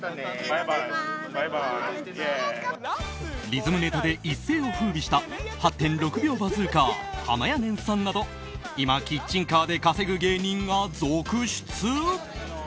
リズムネタで一世を風靡した８．６秒バズーカーはまやねんさんなど今、キッチンカーで稼ぐ芸人が続出？